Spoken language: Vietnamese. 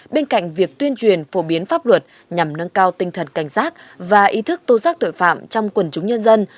bên cạnh việc tuyên truyền phổ biến pháp luật nhằm nâng cao tinh thần cảnh giác và ý thức tô giác tội phạm trong quần chúng nhân dân